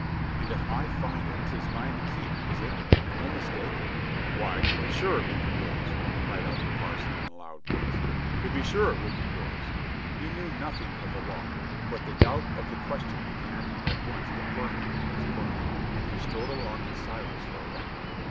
"And if I find it 'tis mine to keep, is it, and no mistake?" "Why, to be sure it would be yours!" cried out the parson, in a loud voice. "To be sure it would be yours!" He knew nothing of the law, but the doubt of the question began at once to ferment in his brain, and he strode along in silence for a while.